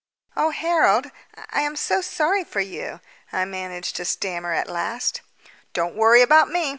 "Oh, Harold, I am so sorry for you!" I managed to stammer at last. "Don't worry about me.